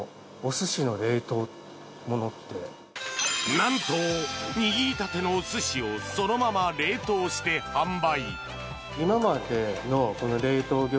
なんと、握りたてのお寿司をそのまま冷凍して販売。